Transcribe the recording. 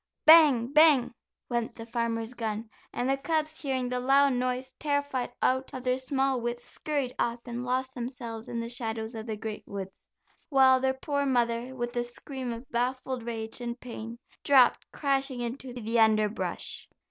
"Bang, bang," went the farmer's gun, and the cubs hearing the loud noise, terrified out of their small wits, scurried off and lost themselves in the shadows of the great woods, while their poor mother, with a scream of baffled rage and pain dropped crashing into the underbrush.